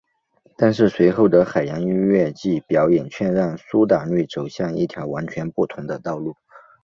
但是随后的海洋音乐季表演却让苏打绿走向一条完全不同的道路。